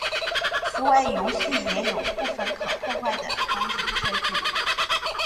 此外游戏也有部分可破坏的场景设计。